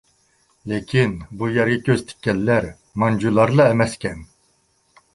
لېكىن بۇ يەرگە كۆز تىككەنلەر مانجۇلارلا ئەمەسكەن.